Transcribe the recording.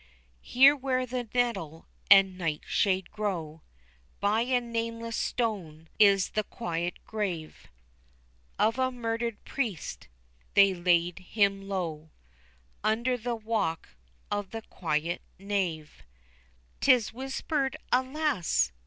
Here where the nettle and nightshade grow By a nameless stone, is the quiet grave Of a murdered priest; they laid him low Under the walk of the quiet nave. 'Tis whispered alas!